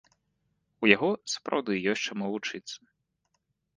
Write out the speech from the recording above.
У яго сапраўды ёсць чаму вучыцца.